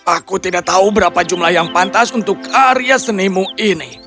aku tidak tahu berapa jumlah yang pantas untuk karya senimu ini